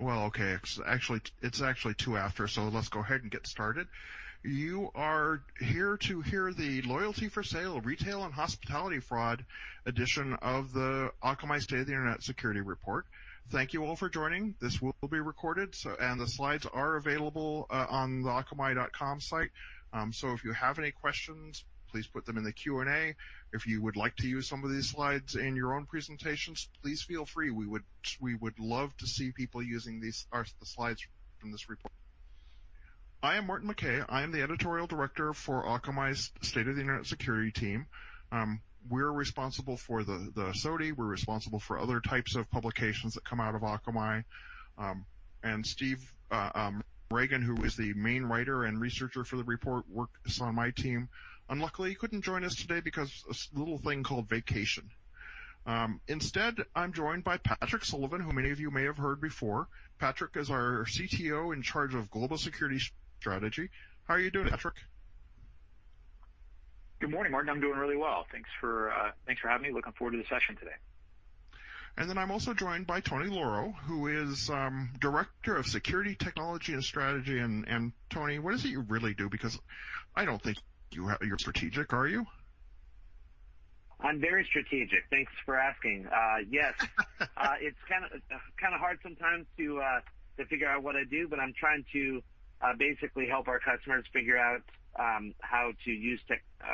Well, okay. It's actually two after, let's go ahead and get started. You are here to hear the Loyalty for Sale, Retail and Hospitality Fraud edition of the Akamai State of the Internet / Security report. Thank you all for joining. This will be recorded, the slides are available on the akamai.com site. If you have any questions, please put them in the Q&A. If you would like to use some of these slides in your own presentations, please feel free. We would love to see people using the slides from this report. I am Martin McKeay. I am the editorial director for Akamai's State of the Internet / Security team. We're responsible for the SOTI. We're responsible for other types of publications that come out of Akamai. Steve Ragan, who is the main writer and researcher for the report, works on my team. Unluckily, he couldn't join us today because of this little thing called vacation. Instead, I'm joined by Patrick Sullivan, who many of you may have heard before. Patrick is our CTO in charge of global security strategy. How are you doing, Patrick? Good morning, Martin. I'm doing really well. Thanks for having me. Looking forward to the session today. I'm also joined by Tony Lauro, who is Director of Security Technology and Strategy. Tony, what is it you really do? I don't think you're strategic, are you? I'm very strategic. Thanks for asking. Yes. It's kind of hard sometimes to figure out what I do, but I'm trying to basically help our customers figure out how to use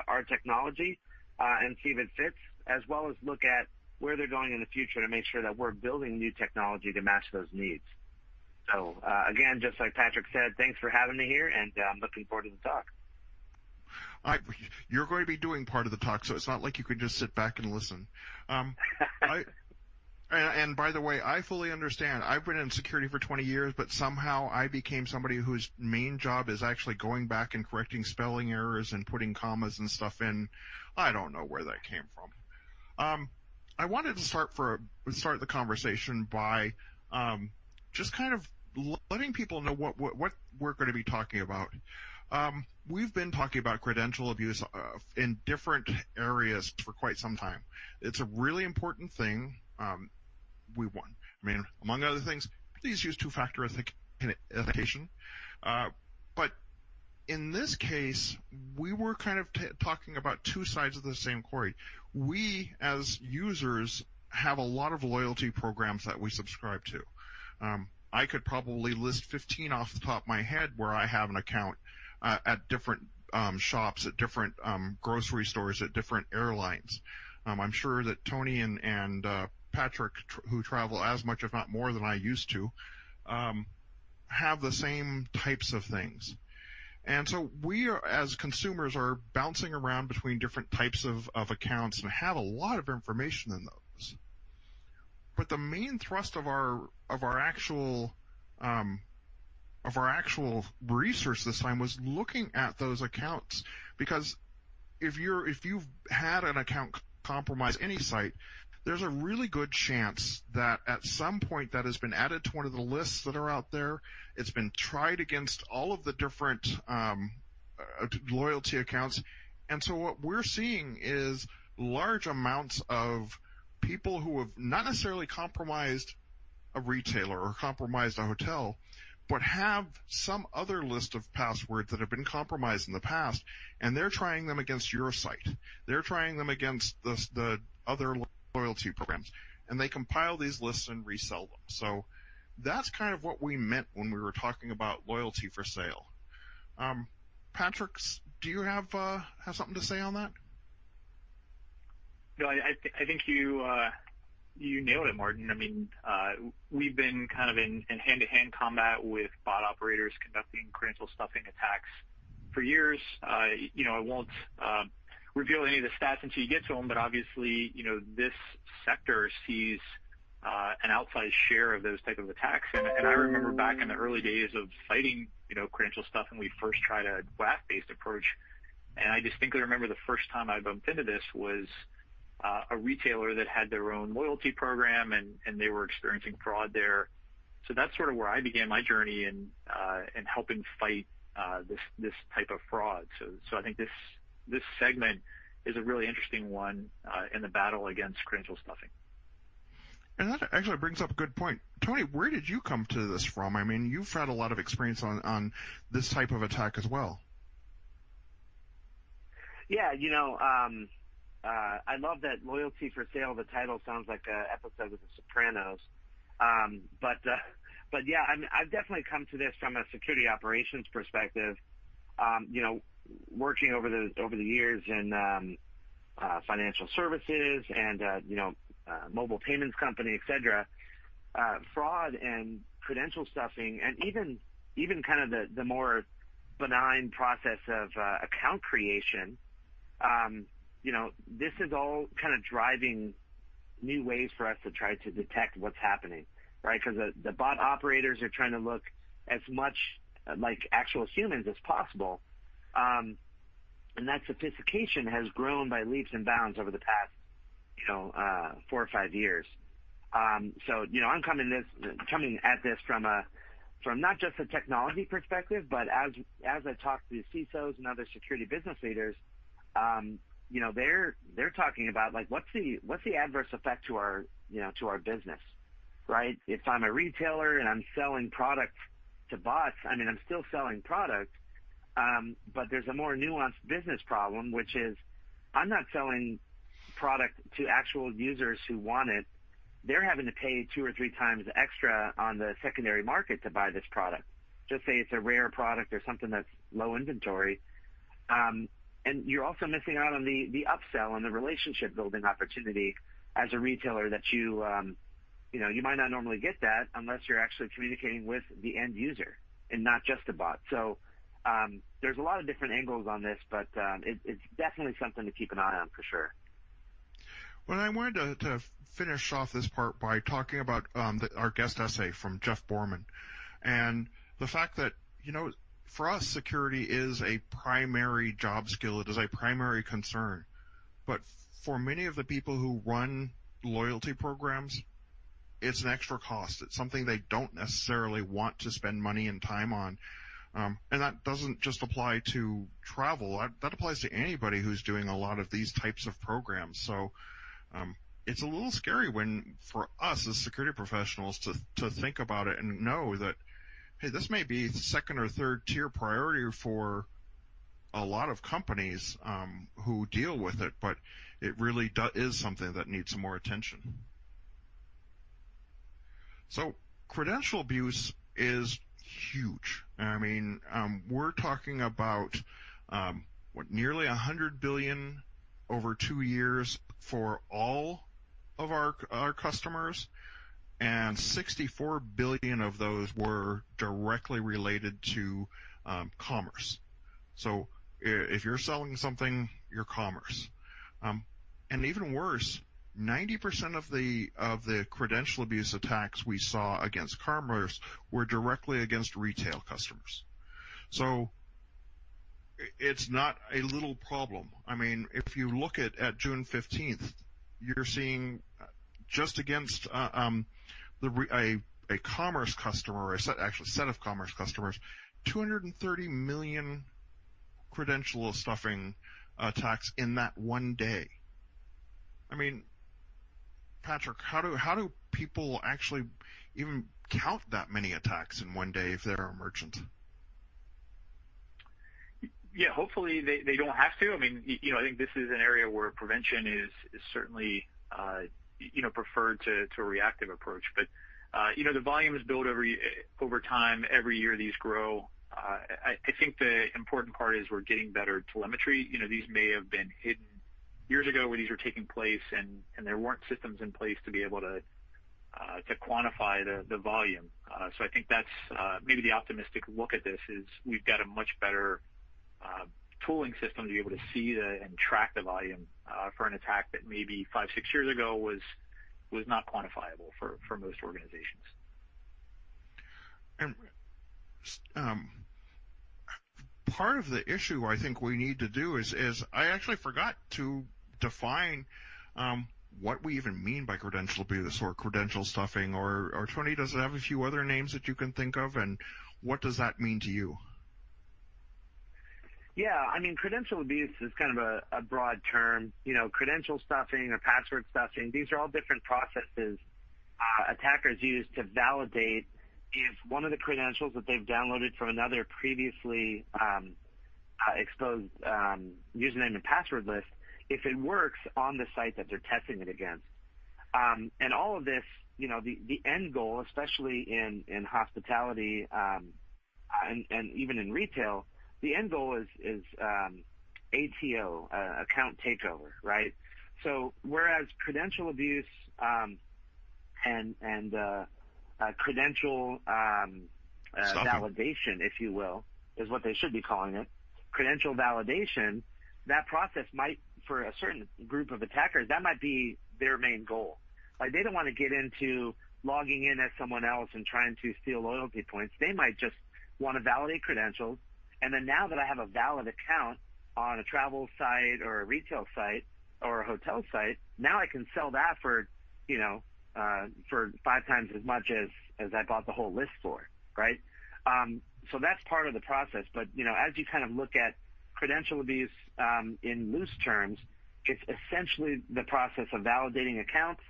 our technology and see if it fits, as well as look at where they're going in the future to make sure that we're building new technology to match those needs. Again, just like Patrick said, thanks for having me here, and I'm looking forward to the talk. You're going to be doing part of the talk, so it's not like you can just sit back and listen. By the way, I fully understand. I've been in security for 20 years, but somehow I became somebody whose main job is actually going back and correcting spelling errors and putting commas and stuff in. I don't know where that came from. I wanted to start the conversation by just kind of letting people know what we're going to be talking about. We've been talking about credential abuse in different areas for quite some time. It's a really important thing. Among other things, please use two-factor authentication. In this case, we were kind of talking about two sides of the same query. We, as users, have a lot of loyalty programs that we subscribe to. I could probably list 15 off the top of my head where I have an account at different shops, at different grocery stores, at different airlines. I'm sure that Tony and Patrick, who travel as much, if not more than I used to, have the same types of things. We, as consumers, are bouncing around between different types of accounts and have a lot of information in those. The main thrust of our actual research this time was looking at those accounts. Because if you've had an account compromise any site, there's a really good chance that at some point, that has been added to one of the lists that are out there. It's been tried against all of the different loyalty accounts. What we're seeing is large amounts of people who have not necessarily compromised a retailer or compromised a hotel, but have some other list of passwords that have been compromised in the past, and they're trying them against your site. They're trying them against the other loyalty programs, and they compile these lists and resell them. That's kind of what we meant when we were talking about Loyalty for Sale. Patrick, do you have something to say on that? No, I think you nailed it, Martin. We've been kind of in hand-to-hand combat with bot operators conducting credential stuffing attacks for years. Obviously, this sector sees an outsized share of those type of attacks. I remember back in the early days of fighting credential stuffing, we first tried a WAF-based approach. I distinctly remember the first time I bumped into this was a retailer that had their own loyalty program, and they were experiencing fraud there. That's sort of where I began my journey in helping fight this type of fraud. I think this segment is a really interesting one in the battle against credential stuffing. That actually brings up a good point. Tony, where did you come to this from? You've had a lot of experience on this type of attack as well. Yeah. I love that Loyalty for Sale, the title, sounds like an episode of "The Sopranos." Yeah, I've definitely come to this from a security operations perspective. Working over the years in financial services and mobile payments company, et cetera. Fraud and credential stuffing and even the more benign process of account creation, this is all kind of driving new ways for us to try to detect what's happening, right? The bot operators are trying to look as much like actual humans as possible. That sophistication has grown by leaps and bounds over the past four or five years. I'm coming at this from not just a technology perspective, but as I talk to CISOs and other security business leaders, they're talking about what's the adverse effect to our business, right? If I'm a retailer and I'm selling product to bots, I'm still selling product, but there's a more nuanced business problem, which is I'm not selling product to actual users who want it. They're having to pay two or three times extra on the secondary market to buy this product. Just say it's a rare product or something that's low inventory. You're also missing out on the upsell and the relationship-building opportunity as a retailer that you might not normally get that unless you're actually communicating with the end user and not just a bot. There's a lot of different angles on this, but it's definitely something to keep an eye on, for sure. I wanted to finish off this part by talking about our guest essay from Jeff Borman. The fact that for us, security is a primary job skill. It is a primary concern. For many of the people who run loyalty programs, it's an extra cost. It's something they don't necessarily want to spend money and time on. That doesn't just apply to travel. That applies to anybody who's doing a lot of these types of programs. It's a little scary when, for us as security professionals, to think about it and know that, hey, this may be second or third-tier priority for a lot of companies who deal with it, but it really is something that needs more attention. Credential abuse is huge. We're talking about, what, nearly 100 billion over two years for all of our customers, and 64 billion of those were directly related to commerce. If you're selling something, you're commerce. Even worse, 90% of the credential abuse attacks we saw against commerce were directly against retail customers. It's not a little problem. If you look at June 15th, you're seeing just against a commerce customer, or actually a set of commerce customers, 230 million credential stuffing attacks in that one day. Patrick, how do people actually even count that many attacks in one day if they're a merchant? Yeah, hopefully, they don't have to. I think this is an area where prevention is certainly preferred to a reactive approach. The volumes build over time. Every year, these grow. I think the important part is we're getting better telemetry. These may have been hidden years ago when these were taking place, and there weren't systems in place to be able to quantify the volume. I think that's maybe the optimistic look at this is we've got a much better tooling system to be able to see the, and track the volume, for an attack that maybe five, six years ago was not quantifiable for most organizations. Part of the issue I think we need to do is, I actually forgot to define what we even mean by credential abuse or credential stuffing. Tony, does it have a few other names that you can think of, and what does that mean to you? Yeah. Credential abuse is kind of a broad term. Credential stuffing or password stuffing, these are all different processes attackers use to validate if one of the credentials that they've downloaded from another previously exposed username and password list, if it works on the site that they're testing it against. All of this, the end goal, especially in hospitality, and even in retail, the end goal is ATO, account takeover, right? So, whereas, credential abuse and credential Stuffing validation, if you will, is what they should be calling it. Credential validation, that process might, for a certain group of attackers, that might be their main goal. They don't want to get into logging in as someone else and trying to steal loyalty points. They might just want to validate credentials. Now that I have a valid account on a travel site or a retail site or a hotel site, now I can sell that for five times as much as I bought the whole list for, right? That's part of the process. As you look at credential abuse in loose terms, it's essentially the process of validating accounts.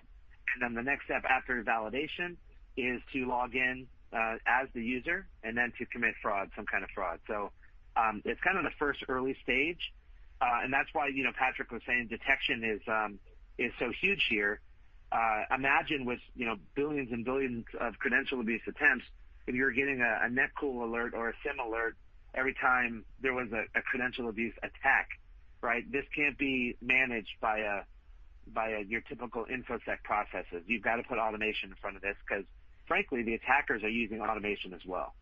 The next step after validation is to log in as the user and then to commit fraud, some kind of fraud. It's the first early stage, and that's why Patrick was saying detection is so huge here. Imagine with billions and billions of credential abuse attempts, if you were getting a Netcool alert or a SIEM alert every time there was a credential abuse attack, right? This can't be managed by your typical infosec processes. You've got to put automation in front of this because, frankly, the attackers are using automation as well.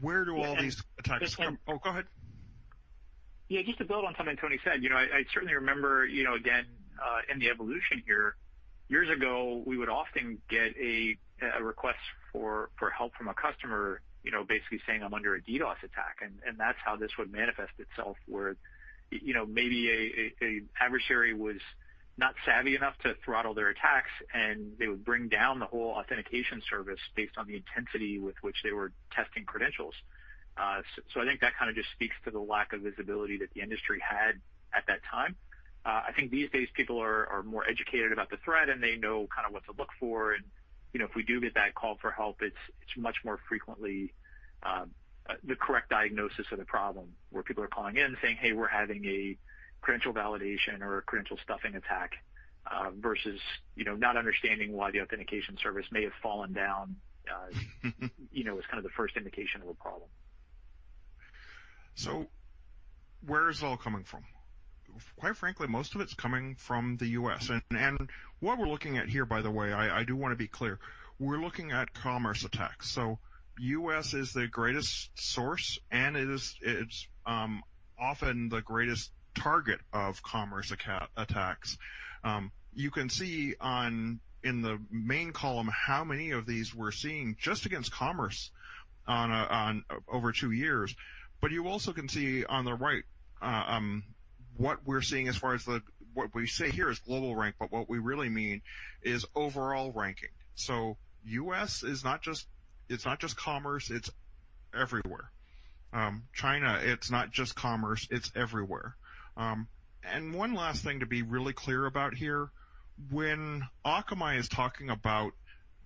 Where do all these attacks. This can- Oh, go ahead. Yeah, just to build on something Tony said, I certainly remember, again, in the evolution here, years ago, we would often get a request for help from a customer, basically saying, "I'm under a DDoS attack." That's how this would manifest itself, where maybe a adversary was not savvy enough to throttle their attacks, and they would bring down the whole authentication service based on the intensity with which they were testing credentials. I think that kind of just speaks to the lack of visibility that the industry had at that time. I think these days people are more educated about the threat, and they know what to look for. If we do get that call for help, it's much more frequently the correct diagnosis of the problem, where people are calling in saying, "Hey, we're having a credential validation or a credential stuffing attack," versus not understanding why the authentication service may have fallen down as the first indication of a problem. Where is it all coming from? Quite frankly, most of it's coming from the U.S. What we're looking at here, by the way, I do want to be clear, we're looking at commerce attacks. U.S. is the greatest source, and it's often the greatest target of commerce attacks. You can see in the main column how many of these we're seeing just against commerce over two years. You also can see on the right, what we say here is global rank, but what we really mean is overall ranking. U.S., it's not just commerce, it's everywhere. China, it's not just commerce, it's everywhere. One last thing to be really clear about here, when Akamai is talking about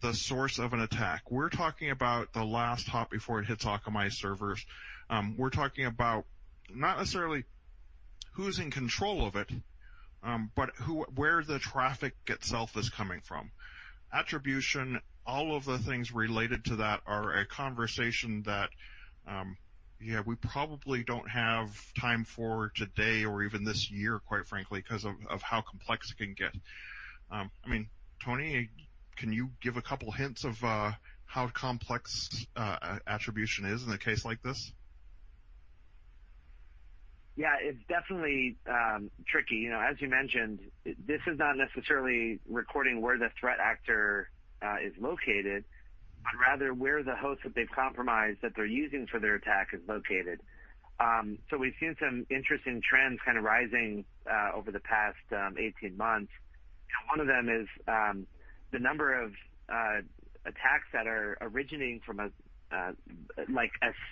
the source of an attack, we're talking about the last hop before it hits Akamai servers. We're talking about not necessarily who's in control of it, but where the traffic itself is coming from. Attribution, all of the things related to that are a conversation that, yeah, we probably don't have time for today or even this year, quite frankly, because of how complex it can get. Tony, can you give a couple hints of how complex attribution is in a case like this? Yeah, it's definitely tricky. As you mentioned, this is not necessarily recording where the threat actor is located, but rather where the host that they've compromised that they're using for their attack is located. We've seen some interesting trends kind of rising over the past 18 months. One of them is the number of attacks that are originating from a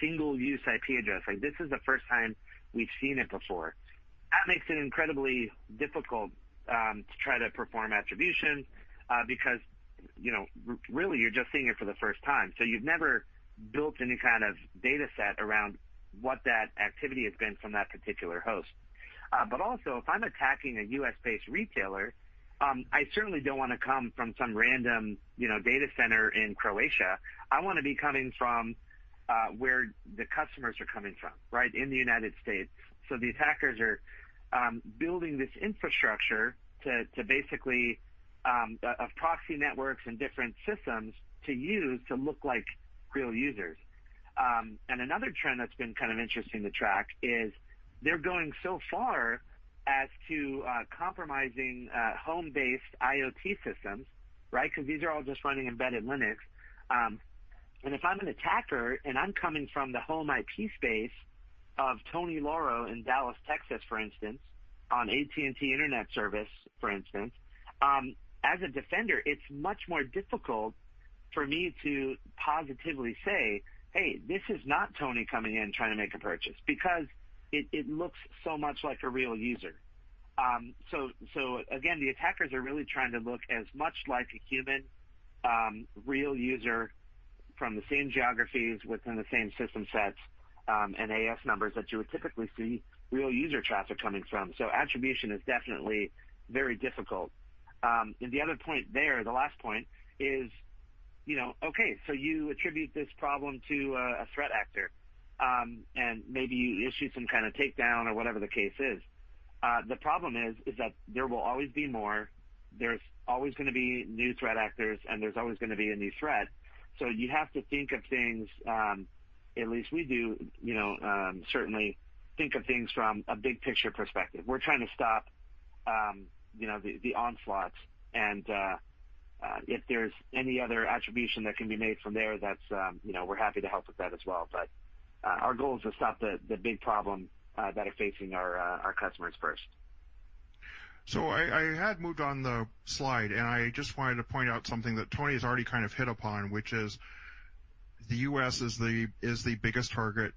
single-use IP address. This is the first time we've seen it before. That makes it incredibly difficult to try to perform attribution, because really you're just seeing it for the first time. You've never built any kind of data set around what that activity has been from that particular host. Also, if I'm attacking a U.S.-based retailer, I certainly don't want to come from some random data center in Croatia. I want to be coming from where the customers are coming from, right, in the United States. These hackers are building this infrastructure of proxy networks and different systems to use to look like real users. Another trend that's been kind of interesting to track is they're going so far as to compromising home-based IoT systems, right? Because these are all just running embedded Linux. If I'm an attacker and I'm coming from the home IP space of Tony Lauro in Dallas, Texas, for instance, on AT&T internet service, for instance, as a defender, it's much more difficult for me to positively say, "Hey, this is not Tony coming in trying to make a purchase," because it looks so much like a real user. Again, the attackers are really trying to look as much like a human, real user from the same geographies within the same system sets, and AS numbers that you would typically see real user traffic coming from. Attribution is definitely very difficult. The other point there, the last point is, okay, you attribute this problem to a threat actor, and maybe you issue some kind of take down or whatever the case is. The problem is that there will always be more, there's always going to be new threat actors, and there's always going to be a new threat. You have to think of things, at least we do, certainly think of things from a big picture perspective. We're trying to stop the onslaughts, and if there's any other attribution that can be made from there, we're happy to help with that as well. Our goal is to stop the big problem that are facing our customers first. I had moved on the slide, and I just wanted to point out something that Tony has already kind of hit upon, which is the U.S. is the biggest target.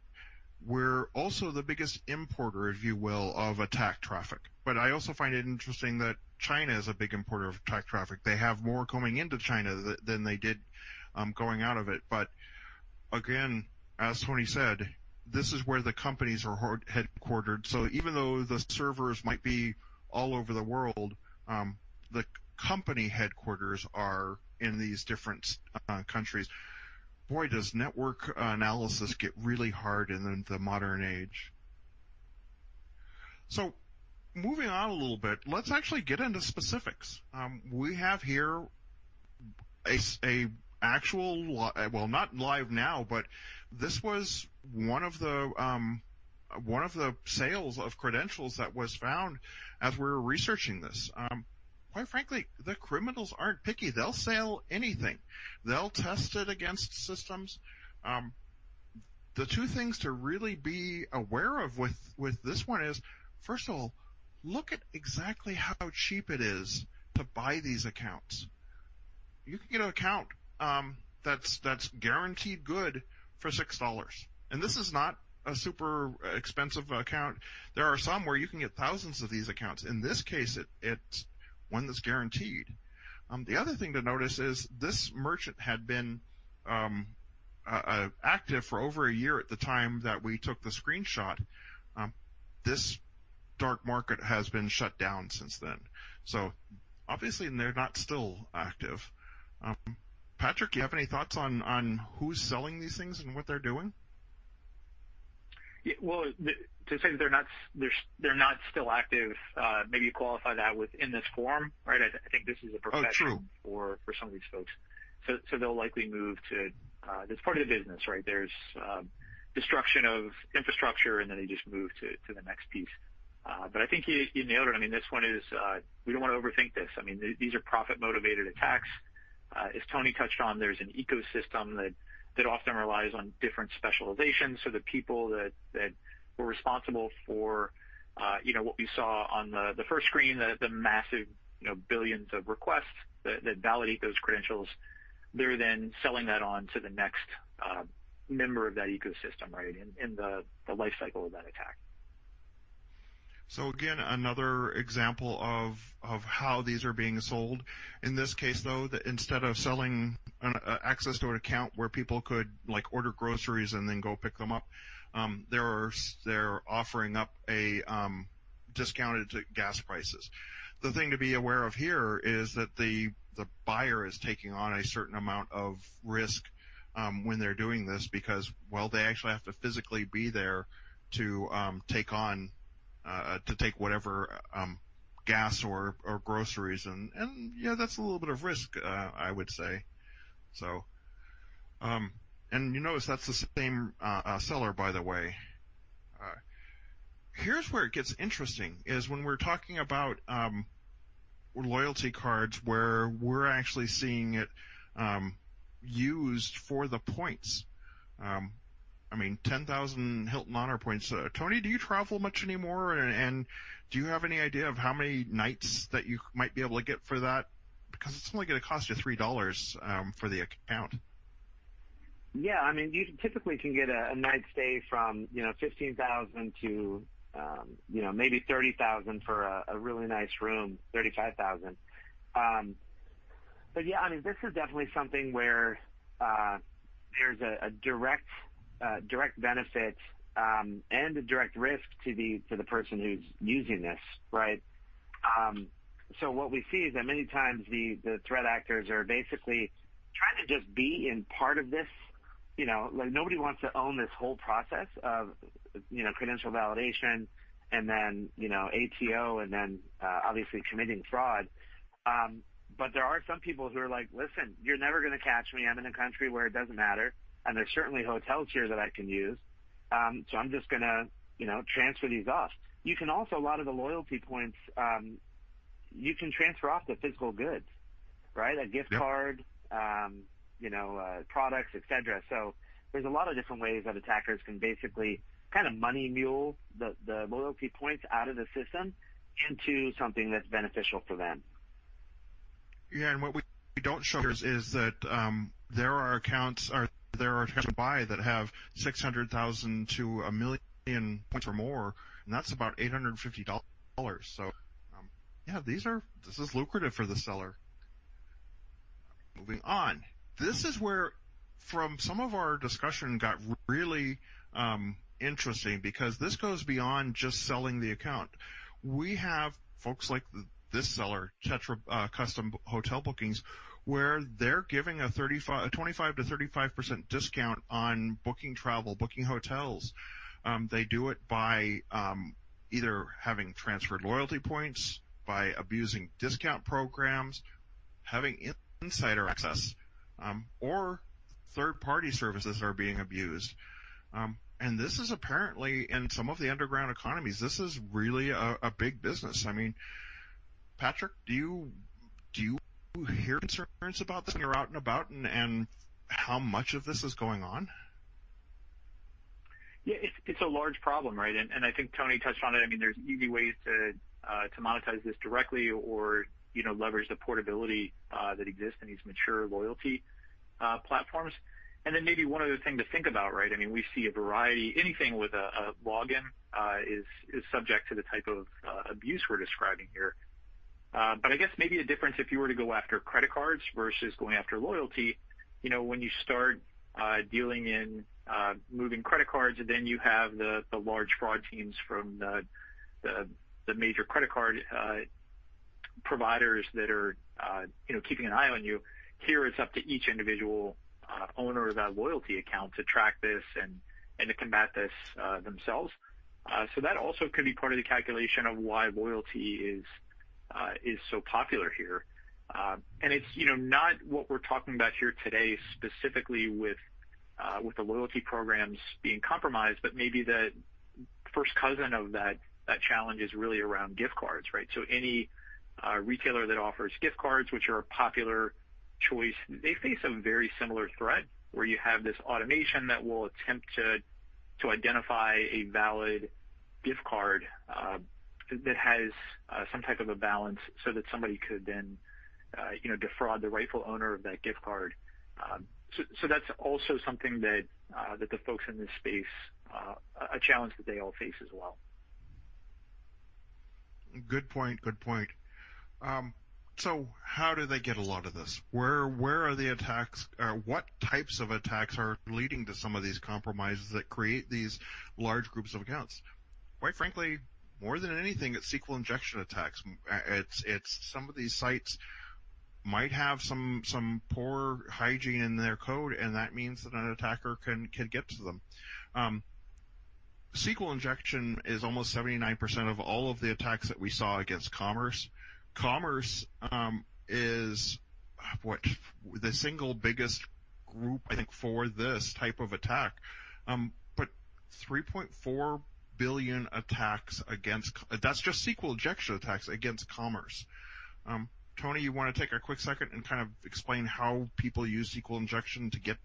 We're also the biggest importer, if you will, of attack traffic. I also find it interesting that China is a big importer of attack traffic. They have more coming into China than they did going out of it. Again, as Tony said, this is where the companies are headquartered. Even though the servers might be all over the world, the company headquarters are in these different countries. Boy, does network analysis get really hard in the modern age. Moving on a little bit, let's actually get into specifics. We have here an actual, well, not live now, but this was one of the sales of credentials that was found as we were researching this. Quite frankly, the criminals aren't picky. They'll sell anything. They'll test it against systems. The two things to really be aware of with this one is, first of all, look at exactly how cheap it is to buy these accounts. You can get an account that's guaranteed good for $6. This is not a super expensive account. There are some where you can get thousands of these accounts. In this case, it's one that's guaranteed. The other thing to notice is this merchant had been active for over a year at the time that we took the screenshot. This dark market has been shut down since then, so obviously they're not still active. Patrick, you have any thoughts on who's selling these things and what they're doing? Well, to say that they're not still active, maybe qualify that with in this form, right? I think this is a profession true. for some of these folks. That's part of the business, right? There's destruction of infrastructure, and then they just move to the next piece. I think you nailed it. We don't want to overthink this. These are profit-motivated attacks. As Tony touched on, there's an ecosystem that often relies on different specializations. The people that were responsible for what we saw on the first screen, the massive billions of requests that validate those credentials, they're then selling that on to the next member of that ecosystem, right, in the life cycle of that attack. Again, another example of how these are being sold. In this case, though, instead of selling an access to an account where people could order groceries and then go pick them up, they're offering up a discounted gas prices. The thing to be aware of here is that the buyer is taking on a certain amount of risk when they're doing this, because, well, they actually have to physically be there to take whatever gas or groceries. Yeah, that's a little bit of risk, I would say. You notice that's the same seller, by the way. Here's where it gets interesting is when we're talking about loyalty cards, where we're actually seeing it used for the points. 10,000 Hilton Honors points. Tony, do you travel much anymore? Do you have any idea of how many nights that you might be able to get for that? It's only going to cost you $3 for the account. You typically can get a night's stay from 15,000 to maybe 30,000 for a really nice room, 35,000. This is definitely something where there's a direct benefit and a direct risk to the person who's using this, right? What we see is that many times the threat actors are basically trying to just be in part of this. Nobody wants to own this whole process of credential validation and then ATO and then obviously committing fraud. There are some people who are like, "Listen, you're never going to catch me. I'm in a country where it doesn't matter, and there's certainly hotels here that I can use. I'm just going to transfer these off." You can also, a lot of the loyalty points, you can transfer off to physical goods, right? Yeah. A gift card, products, et cetera. There's a lot of different ways that attackers can basically kind of money mule the loyalty points out of the system into something that's beneficial for them. Yeah. What we don't show here is that there are accounts to buy that have 600,000 to a million points or more, and that's about $850. Yeah, this is lucrative for the seller. Moving on. This is where some of our discussion got really interesting because this goes beyond just selling the account. We have folks like this seller, Tetra Custom Hotel Bookings, where they're giving a 25%-35% discount on booking travel, booking hotels. They do it by either having transferred loyalty points, by abusing discount programs, having insider access, or third-party services are being abused. This is apparently, in some of the underground economies, this is really a big business. Patrick, do you hear concerns about this when you're out and about, and how much of this is going on? It's a large problem, right? I think Tony touched on it. There's easy ways to monetize this directly or leverage the portability that exists in these mature loyalty platforms. Maybe one other thing to think about, right? We see a variety. Anything with a login is subject to the type of abuse we're describing here. I guess maybe a difference if you were to go after credit cards versus going after loyalty. When you start dealing in moving credit cards, then you have the large fraud teams from the major credit card providers that are keeping an eye on you. Here, it's up to each individual owner of that loyalty account to track this and to combat this themselves. That also could be part of the calculation of why loyalty is so popular here. It's not what we're talking about here today, specifically with the loyalty programs being compromised, but maybe the first cousin of that challenge is really around gift cards, right? Any retailer that offers gift cards, which are a popular choice, they face a very similar threat, where you have this automation that will attempt to identify a valid gift card that has some type of a balance so that somebody could then defraud the rightful owner of that gift card. That's also something that the folks in this space, a challenge that they all face as well. Good point. How do they get a lot of this? Where are the attacks? What types of attacks are leading to some of these compromises that create these large groups of accounts? Quite frankly, more than anything, it's SQL injection attacks. Some of these sites might have some poor hygiene in their code, and that means that an attacker can get to them. SQL injection is almost 79% of all of the attacks that we saw against commerce. Commerce is, what? The single biggest group, I think, for this type of attack. 3.4 billion, that's just SQL injection attacks against commerce. Tony, you want to take a quick second and kind of explain how people use SQL injection to get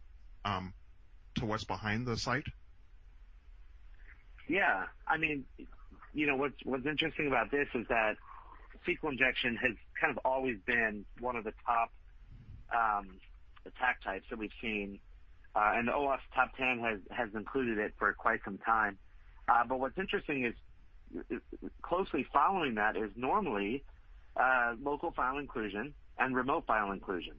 to what's behind the site? Yeah. What's interesting about this is that SQL injection has kind of always been one of the top attack types that we've seen. The OWASP Top 10 has included it for quite some time. What's interesting is closely following that is normally local file inclusion and remote file inclusion.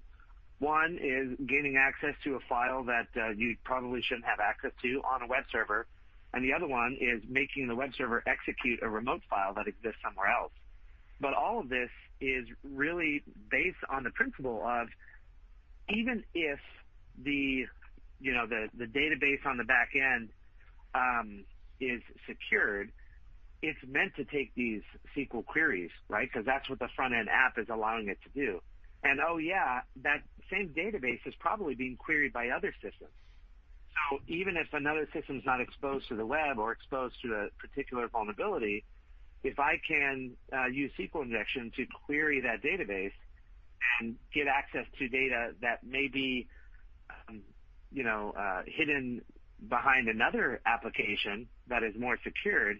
One is gaining access to a file that you probably shouldn't have access to on a web server, and the other one is making the web server execute a remote file that exists somewhere else. All of this is really based on the principle of even if the database on the back end is secured, it's meant to take these SQL queries, right? Because that's what the front-end app is allowing it to do. Oh, yeah, that same database is probably being queried by other systems. Even if another system's not exposed to the web or exposed to a particular vulnerability, if I can use SQL injection to query that database and get access to data that may be hidden behind another application that is more secured,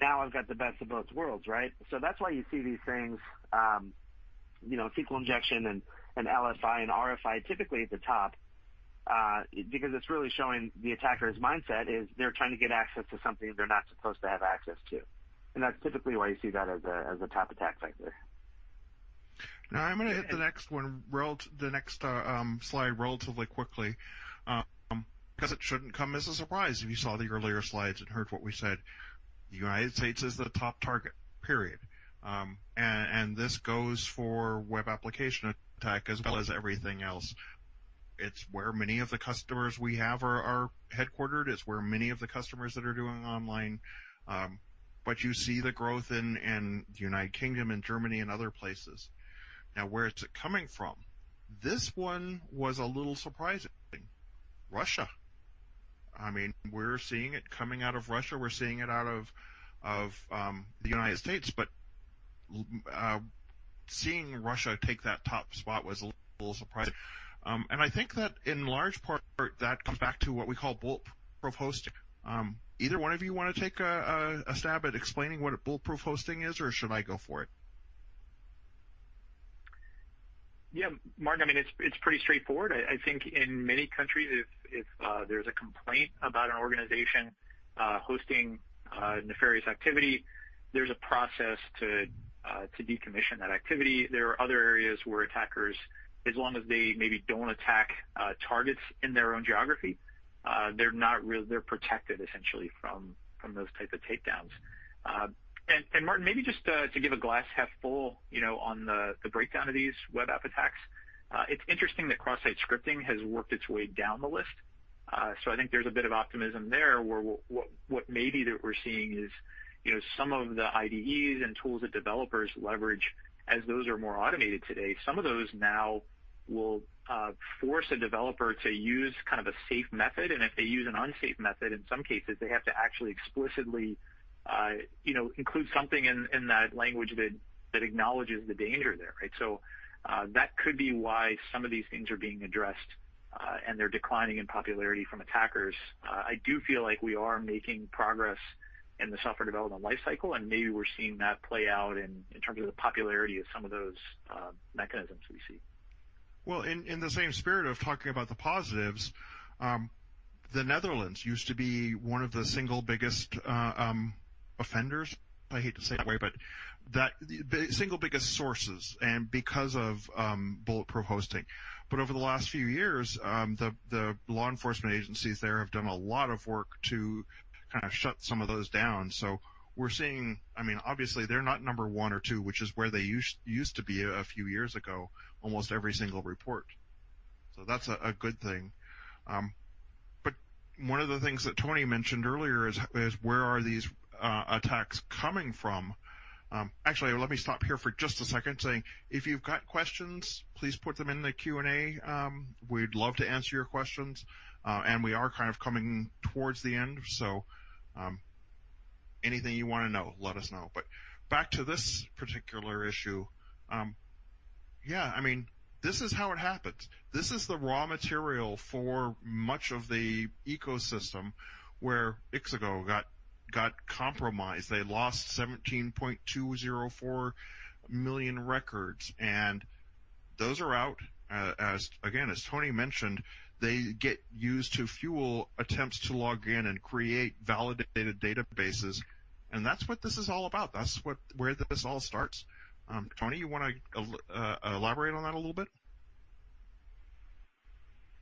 now I've got the best of both worlds, right? That's why you see these things, SQL injection and LFI and RFI typically at the top, because it's really showing the attacker's mindset is they're trying to get access to something they're not supposed to have access to. That's typically why you see that as a top attack vector. I'm going to hit the next slide relatively quickly, because it shouldn't come as a surprise if you saw the earlier slides and heard what we said. The U.S. is the top target, period. This goes for web application attack as well as everything else. It's where many of the customers we have are headquartered. It's where many of the customers that are doing online. You see the growth in U.K. and Germany and other places. Where is it coming from? This one was a little surprising. Russia. We're seeing it coming out of Russia. We're seeing it out of the U.S. Seeing Russia take that top spot was a little surprising. I think that in large part, that comes back to what we call bulletproof hosting. Either one of you want to take a stab at explaining what bulletproof hosting is, or should I go for it? Yeah, Martin, it's pretty straightforward. I think in many countries, if there's a complaint about an organization hosting nefarious activity, there's a process to decommission that activity. There are other areas where attackers, as long as they maybe don't attack targets in their own geography, they're protected, essentially, from those type of takedowns. Martin, maybe just to give a glass half full on the breakdown of these web app attacks, it's interesting that cross-site scripting has worked its way down the list. I think there's a bit of optimism there where what maybe that we're seeing is some of the IDEs and tools that developers leverage, as those are more automated today, some of those now will force a developer to use kind of a safe method. If they use an unsafe method, in some cases, they have to actually explicitly include something in that language that acknowledges the danger there, right? That could be why some of these things are being addressed and they're declining in popularity from attackers. I do feel like we are making progress in the software development life cycle, and maybe we're seeing that play out in terms of the popularity of some of those mechanisms we see. In the same spirit of talking about the positives, the Netherlands used to be one of the single biggest offenders. I hate to say it that way, single biggest sources, and because of bulletproof hosting. Over the last few years, the law enforcement agencies there have done a lot of work to kind of shut some of those down. We're seeing, obviously they're not number one or two, which is where they used to be a few years ago, almost every single report. That's a good thing. One of the things that Tony mentioned earlier is, where are these attacks coming from? Let me stop here for just a second, saying, if you've got questions, please put them in the Q&A. We'd love to answer your questions. We are kind of coming towards the end, so anything you want to know, let us know. Back to this particular issue. This is how it happens. This is the raw material for much of the ecosystem where ixigo got compromised. They lost 17.204 million records, and those are out. Again, as Tony mentioned, they get used to fuel attempts to log in and create validated databases. That's what this is all about. That's where this all starts. Tony, you want to elaborate on that a little bit?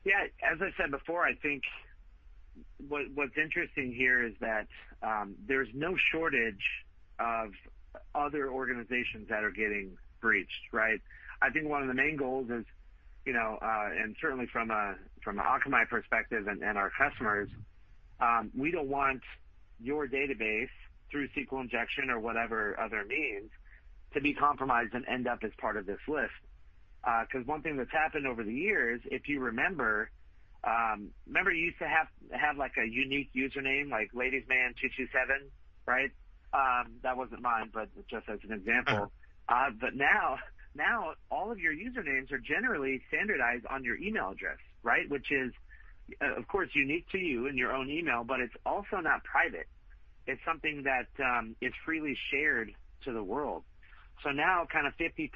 Yeah. As I said before, I think what's interesting here is that there's no shortage of other organizations that are getting breached, right? I think one of the main goals is, and certainly from an Akamai perspective and our customers, we don't want your database, through SQL injection or whatever other means, to be compromised and end up as part of this list. One thing that's happened over the years, if you remember, you used to have a unique username, like ladiesman227, right? That wasn't mine, but just as an example. Now all of your usernames are generally standardized on your email address, right? Which is, of course, unique to you and your own email, but it's also not private. It's something that is freely shared to the world. Now, 50%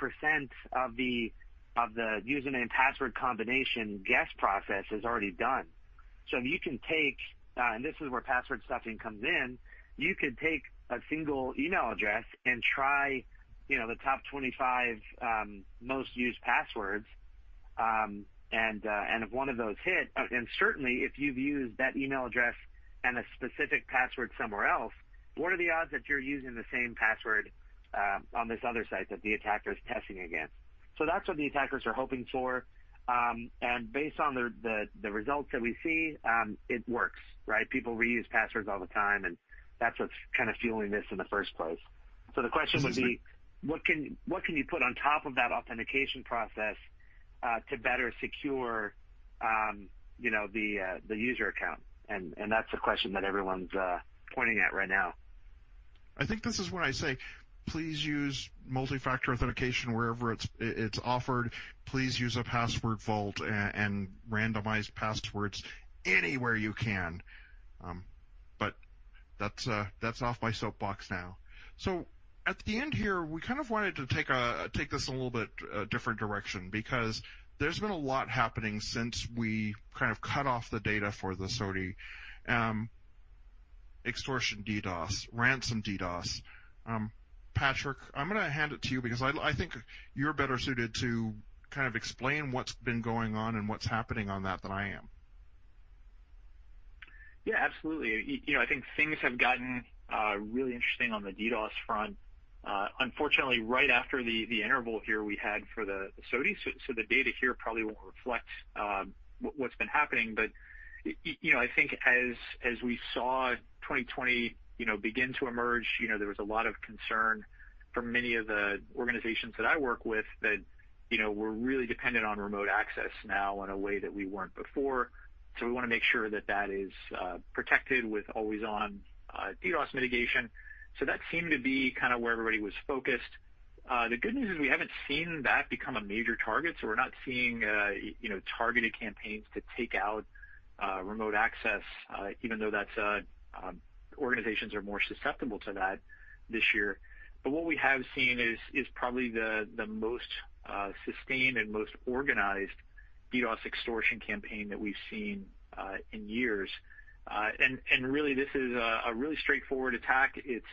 of the username and password combination guess process is already done. If you can take, and this is where password stuffing comes in, you could take a single email address and try the top 25 most used passwords, and if one of those hit, and certainly if you've used that email address and a specific password somewhere else, what are the odds that you're using the same password on this other site that the attacker's testing against? That's what the attackers are hoping for. Based on the results that we see, it works, right? People reuse passwords all the time, that's what's kind of fueling this in the first place. The question would be, what can you put on top of that authentication process to better secure the user account? That's the question that everyone's pointing at right now. I think this is where I say, please use multi-factor authentication wherever it's offered. Please use a password vault and randomize passwords anywhere you can. That's off my soapbox now. At the end here, we kind of wanted to take this a little bit different direction, because there's been a lot happening since we cut off the data for the SOTI. Extortion DDoS, ransom DDoS. Patrick, I'm going to hand it to you because I think you're better suited to explain what's been going on and what's happening on that than I am. Yeah, absolutely. I think things have gotten really interesting on the DDoS front. Unfortunately, right after the interval here we had for the SOTI, so the data here probably won't reflect what's been happening. I think as we saw 2020 begin to emerge, there was a lot of concern for many of the organizations that I work with that we're really dependent on remote access now in a way that we weren't before. We want to make sure that that is protected with always-on DDoS mitigation. That seemed to be where everybody was focused. The good news is we haven't seen that become a major target, so we're not seeing targeted campaigns to take out remote access, even though organizations are more susceptible to that this year. What we have seen is probably the most sustained and most organized DDoS extortion campaign that we've seen in years. Really, this is a really straightforward attack. It's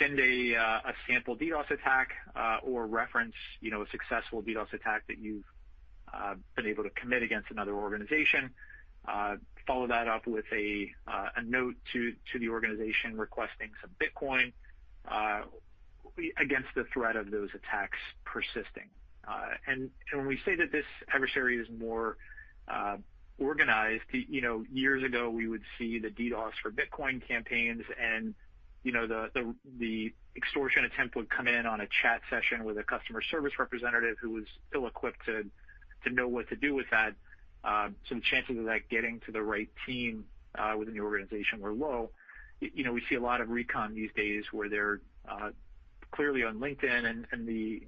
send a sample DDoS attack or reference a successful DDoS attack that you've been able to commit against another organization. Follow that up with a note to the organization requesting some Bitcoin against the threat of those attacks persisting. When we say that this adversary is more organized, years ago, we would see the DDoS for Bitcoin campaigns, and the extortion attempt would come in on a chat session with a customer service representative who was ill-equipped to know what to do with that. The chances of that getting to the right team within the organization were low. We see a lot of recon these days where they're clearly on LinkedIn, and the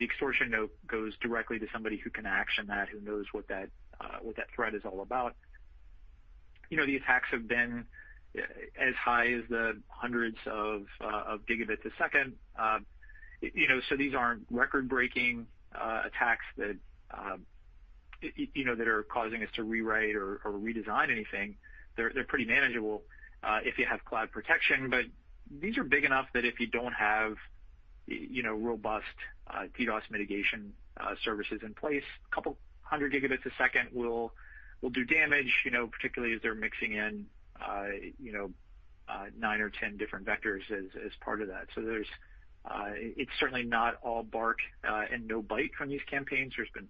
extortion note goes directly to somebody who can action that, who knows what that threat is all about. The attacks have been as high as the hundreds of gigabits a second. These aren't record-breaking attacks that are causing us to rewrite or redesign anything. They're pretty manageable if you have cloud protection. These are big enough that if you don't have robust DDoS mitigation services in place, 100 gigabits a second will do damage, particularly as they're mixing in nine or 10 different vectors as part of that. It's certainly not all bark and no bite from these campaigns. There's been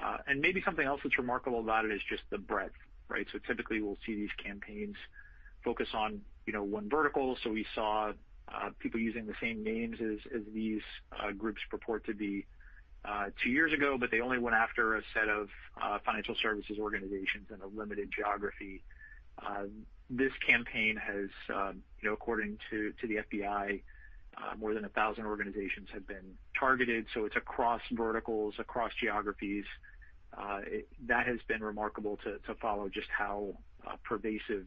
follow-through. Maybe something else that's remarkable about it is just the breadth. Typically, we'll see these campaigns focus on one vertical. We saw people using the same names as these groups purport to be two years ago, but they only went after a set of financial services organizations in a limited geography. This campaign has, according to the FBI, more than 1,000 organizations have been targeted. It's across verticals, across geographies. That has been remarkable to follow just how pervasive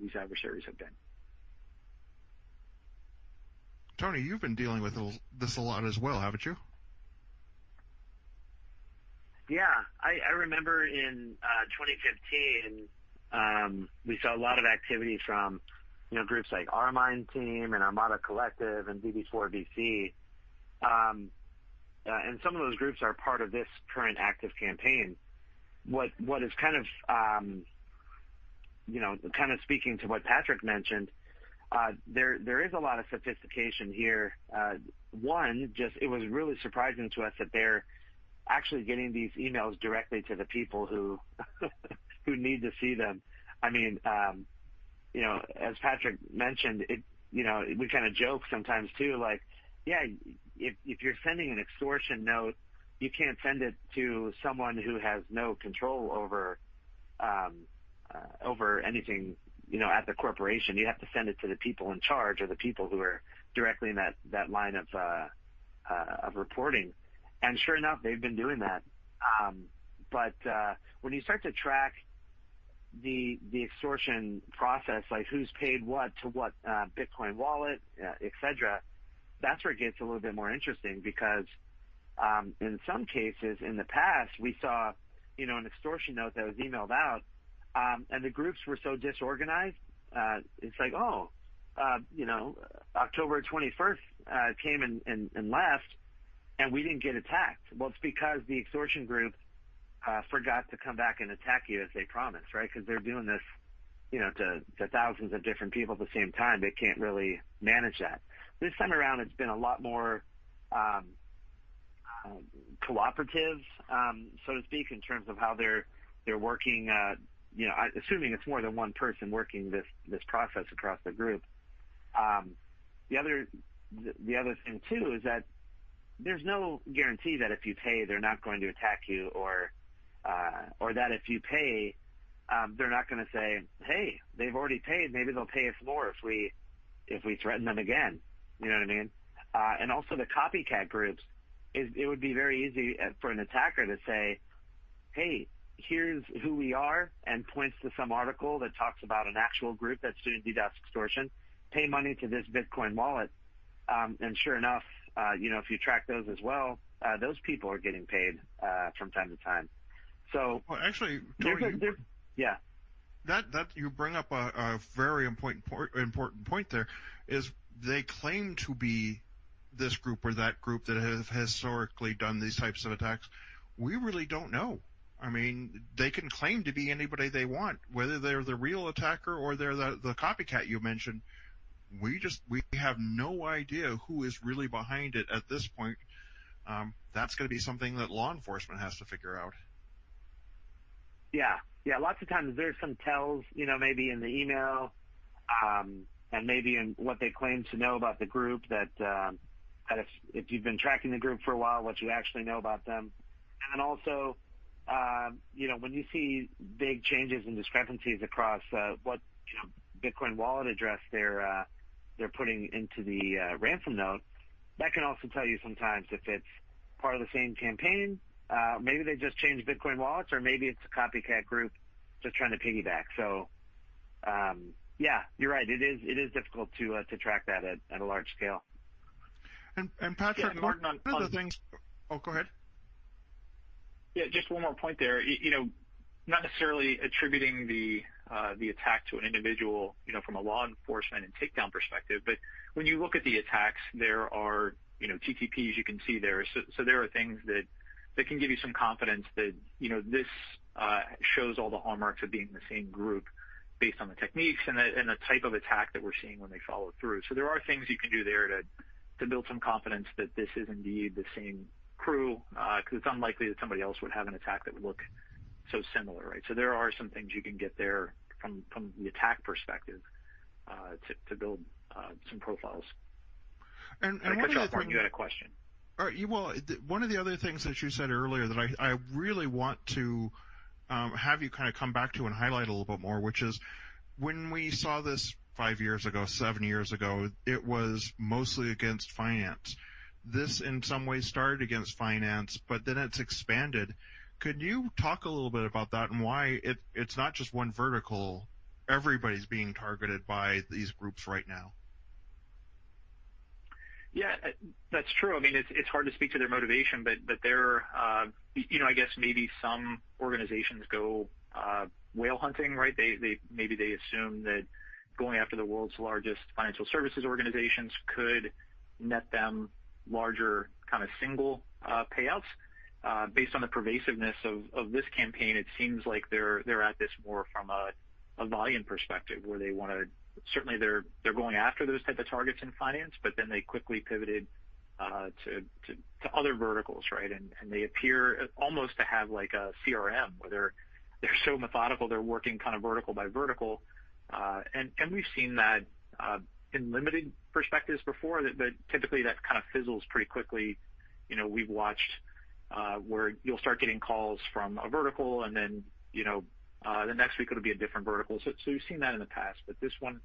these adversaries have been. Tony, you've been dealing with this a lot as well, haven't you? Yeah. I remember in 2015, we saw a lot of activity from groups like OurMine and Armada Collective and DD4BC. Some of those groups are part of this current active campaign. What is kind of speaking to what Patrick mentioned, there is a lot of sophistication here. One, just it was really surprising to us that they're actually getting these emails directly to the people who need to see them. As Patrick mentioned, we kind of joke sometimes too, like, yeah, if you're sending an extortion note, you can't send it to someone who has no control over anything at the corporation. You have to send it to the people in charge or the people who are directly in that line of reporting. Sure enough, they've been doing that. When you start to track the extortion process, like who's paid what to what Bitcoin wallet, et cetera, that's where it gets a little bit more interesting because, in some cases in the past, we saw an extortion note that was emailed out, and the groups were so disorganized. It's like, October 21st came and left, and we didn't get attacked. Well, it's because the extortion group forgot to come back and attack you as they promised. They're doing this to thousands of different people at the same time. They can't really manage that. This time around, it's been a lot more cooperative, so to speak, in terms of how they're working, assuming it's more than one person working this process across the group. The other thing too is that there's no guarantee that if you pay, they're not going to attack you, or that if you pay, they're not going to say, "Hey, they've already paid. Maybe they'll pay us more if we threaten them again." You know what I mean? Also the copycat groups, it would be very easy for an attacker to say, "Hey, here's who we are," and points to some article that talks about an actual group that's doing DDoS extortion. Pay money to this Bitcoin wallet. Sure enough, if you track those as well, those people are getting paid from time to time. Well, actually, Tony. Yeah. You bring up a very important point there, is they claim to be this group or that group that have historically done these types of attacks. We really don't know. They can claim to be anybody they want, whether they're the real attacker or they're the copycat you mentioned. We have no idea who is really behind it at this point. That's going to be something that law enforcement has to figure out. Yeah. Lots of times there's some tells, maybe in the email, and maybe in what they claim to know about the group, that if you've been tracking the group for a while, what you actually know about them. When you see big changes and discrepancies across what Bitcoin wallet address they're putting into the ransom note, that can also tell you sometimes if it's part of the same campaign. Maybe they just changed Bitcoin wallets, or maybe it's a copycat group just trying to piggyback. Yeah, you're right. It is difficult to track that at a large scale. Patrick. Yeah, one other thing. Oh, go ahead. Just one more point there. Not necessarily attributing the attack to an individual, from a law enforcement and takedown perspective, but when you look at the attacks, there are TTPs you can see there. There are things that can give you some confidence that this shows all the hallmarks of being the same group based on the techniques and the type of attack that we're seeing when they follow through. There are things you can do there to build some confidence that this is indeed the same crew, because it's unlikely that somebody else would have an attack that would look so similar. There are some things you can get there from the attack perspective to build some profiles. And one of the I cut you off, Martin. You had a question. All right. One of the other things that you said earlier that I really want to have you come back to and highlight a little bit more, which is when we saw this five years ago, seven years ago, it was mostly against finance. This, in some ways, started against finance, but then it's expanded. Could you talk a little bit about that and why it's not just one vertical, everybody's being targeted by these groups right now? Yeah. That's true. It's hard to speak to their motivation. I guess maybe some organizations go whale hunting. Maybe they assume that going after the world's largest financial services organizations could net them larger kind of single payouts. Based on the pervasiveness of this campaign, it seems like they're at this more from a volume perspective. Certainly they're going after those type of targets in finance, they quickly pivoted to other verticals, right? They appear almost to have a CRM, where they're so methodical, they're working kind of vertical by vertical. We've seen that in limited perspectives before. Typically, that kind of fizzles pretty quickly. We've watched where you'll start getting calls from a vertical, the next week it'll be a different vertical. We've seen that in the past, but this one,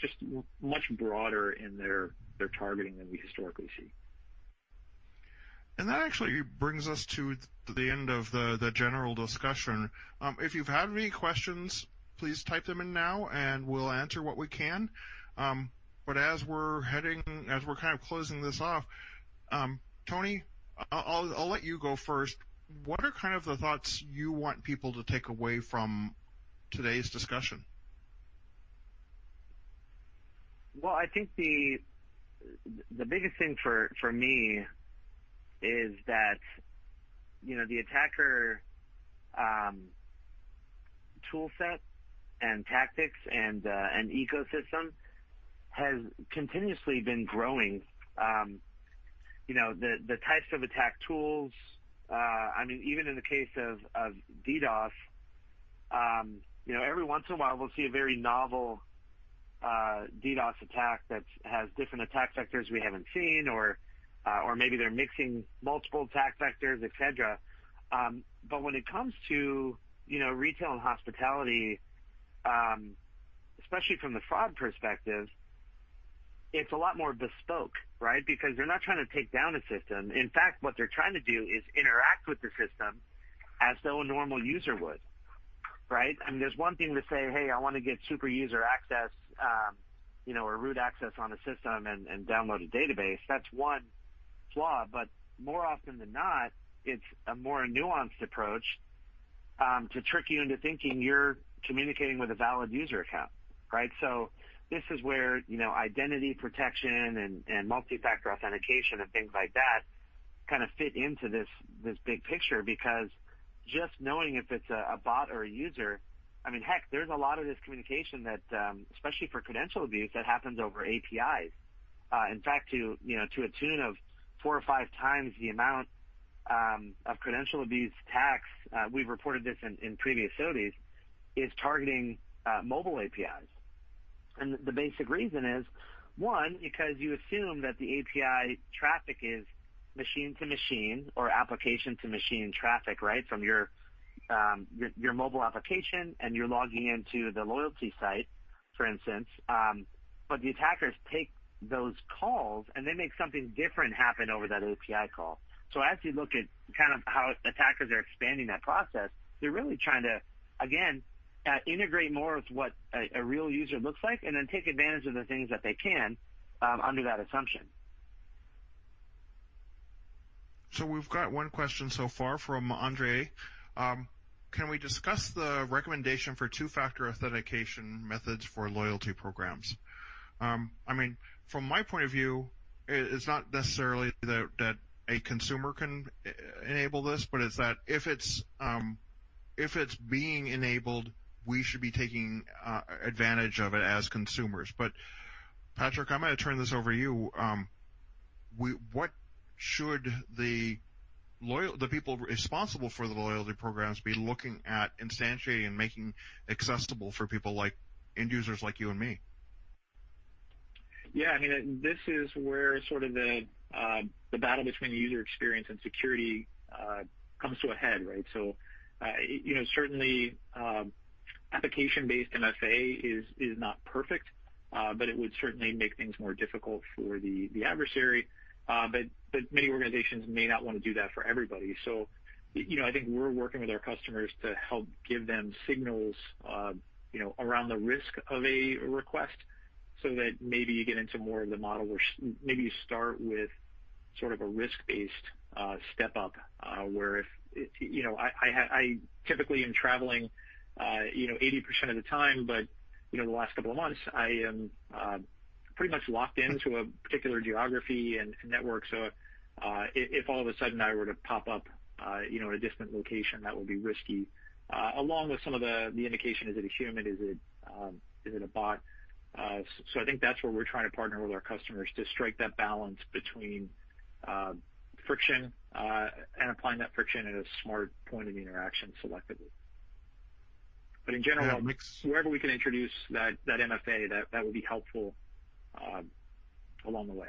just much broader in their targeting than we historically see. That actually brings us to the end of the general discussion. If you've had any questions, please type them in now and we'll answer what we can. As we're kind of closing this off, Tony, I'll let you go first. What are the thoughts you want people to take away from today's discussion? Well, I think the biggest thing for me is that the attacker toolset and tactics and ecosystem has continuously been growing. The types of attack tools, even in the case of DDoS, every once in a while, we'll see a very novel DDoS attack that has different attack vectors we haven't seen or maybe they're mixing multiple attack vectors, et cetera. When it comes to retail and hospitality, especially from the fraud perspective, it's a lot more bespoke. They're not trying to take down a system. In fact, what they're trying to do is interact with the system as though a normal user would. Right? There's one thing to say, "Hey, I want to get superuser access or root access on a system and download a database." That's one flaw. More often than not, it's a more nuanced approach to trick you into thinking you're communicating with a valid user account. Right? This is where identity protection and multi-factor authentication and things like that kind of fit into this big picture, because just knowing if it's a bot or a user, heck, there's a lot of this communication that, especially for credential abuse, that happens over APIs. In fact, to a tune of four or five times the amount of credential abuse attacks, we've reported this in previous SOTIs, is targeting mobile APIs. The basic reason is, one, because you assume that the API traffic is machine to machine or application to machine traffic, from your mobile application, and you're logging into the loyalty site, for instance. The attackers take those calls, and they make something different happen over that API call. As you look at how attackers are expanding that process, they're really trying to, again, integrate more with what a real user looks like and then take advantage of the things that they can under that assumption. We've got one question so far from Andre. "Can we discuss the recommendation for two-factor authentication methods for loyalty programs?" From my point of view, it's not necessarily that a consumer can enable this, but it's that if it's being enabled, we should be taking advantage of it as consumers. Patrick, I'm going to turn this over to you. What should the people responsible for the loyalty programs be looking at instantiating and making accessible for end users like you and me? This is where sort of the battle between user experience and security comes to a head, right? Certainly, application-based MFA is not perfect. It would certainly make things more difficult for the adversary. Many organizations may not want to do that for everybody. I think we're working with our customers to help give them signals around the risk of a request so that maybe you get into more of the model where maybe you start with sort of a risk-based step-up, where I typically am traveling 80% of the time, but the last couple of months, I am pretty much locked into a particular geography and network. If all of a sudden I were to pop up in a different location, that would be risky. Along with some of the indication, is it a human? Is it a bot? I think that's where we're trying to partner with our customers to strike that balance between friction and applying that friction at a smart point of interaction selectively. But general mix Wherever we can introduce that MFA, that would be helpful along the way.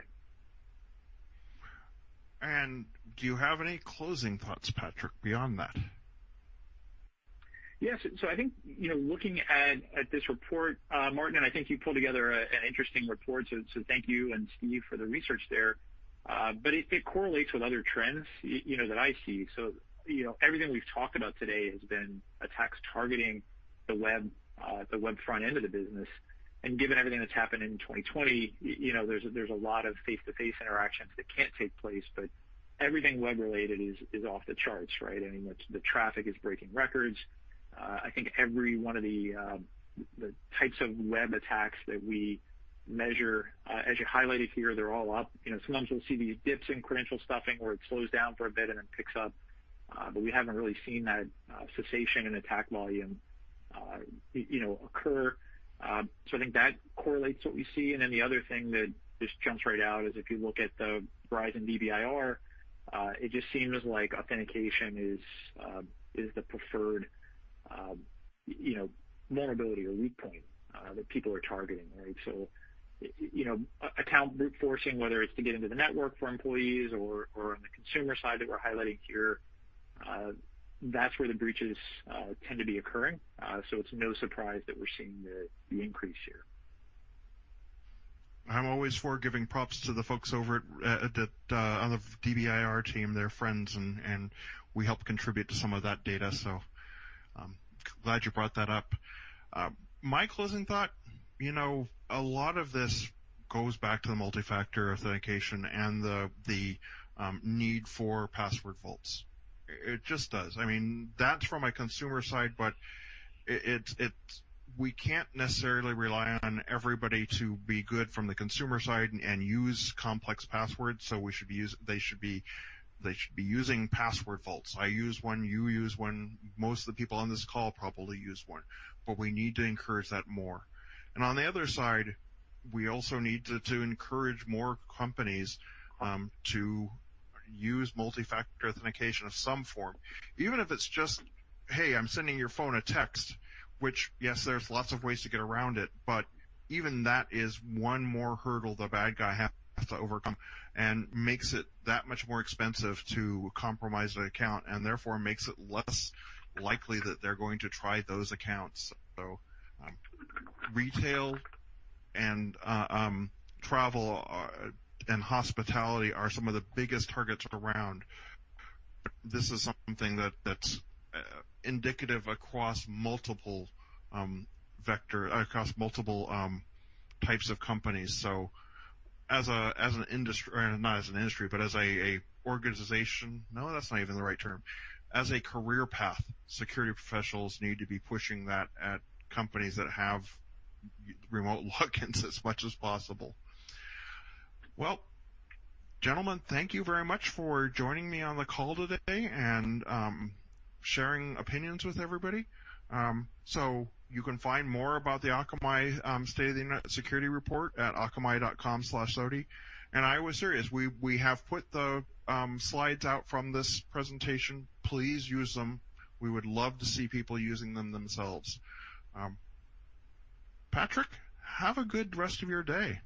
Do you have any closing thoughts, Patrick, beyond that? Yes. I think, looking at this report, Martin, I think you pulled together an interesting report, thank you and Steve for the research there. It correlates with other trends that I see. Everything we've talked about today has been attacks targeting the web front end of the business. Given everything that's happened in 2020, there's a lot of face-to-face interactions that can't take place, but everything web-related is off the charts, right? The traffic is breaking records. I think every one of the types of web attacks that we measure, as you highlighted here, they're all up. Sometimes we'll see these dips in credential stuffing where it slows down for a bit and then picks up, but we haven't really seen that cessation in attack volume occur. I think that correlates what we see. The other thing that just jumps right out is if you look at the Verizon DBIR, it just seems like authentication is the preferred vulnerability or weak point that people are targeting, right? Account brute forcing, whether it's to get into the network for employees or on the consumer side that we're highlighting here, that's where the breaches tend to be occurring. It's no surprise that we're seeing the increase here. I'm always for giving props to the folks over on the DBIR team. They're friends. We help contribute to some of that data. Glad you brought that up. My closing thought, a lot of this goes back to the multi-factor authentication and the need for password vaults. It just does. That's from a consumer side. We can't necessarily rely on everybody to be good from the consumer side and use complex passwords. They should be using password vaults. I use one, you use one. Most of the people on this call probably use one. We need to encourage that more. On the other side, we also need to encourage more companies to use multi-factor authentication of some form, even if it's just, "Hey, I'm sending your phone a text," which, yes, there's lots of ways to get around it, but even that is one more hurdle the bad guy has to overcome and makes it that much more expensive to compromise an account, and therefore makes it less likely that they're going to try those accounts. Retail and travel and hospitality are some of the biggest targets around. This is something that's indicative across multiple types of companies. As a career path, security professionals need to be pushing that at companies that have remote logins as much as possible. gentlemen, thank you very much for joining me on the call today and sharing opinions with everybody. You can find more about the Akamai State of the Internet / Security report at akamai.com/soti. I was serious, we have put the slides out from this presentation. Please use them. We would love to see people using them themselves. Patrick, have a good rest of your day.